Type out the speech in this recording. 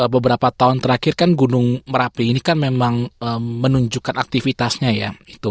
beberapa tahun terakhir kan gunung merapi ini kan memang menunjukkan aktivitasnya ya